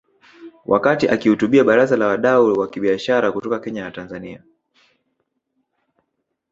Wakati akihutubia baraza la wadau wa kibiashara kutoka Kenya na Tanzania